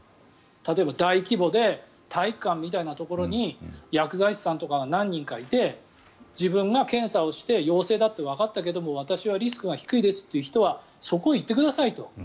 例えば大規模で体育館みたいなところに薬剤師さんとかが何人かいて自分が検査をして陽性だってわかったけども私はリスクが低いですって人はそこに行ってくださいと。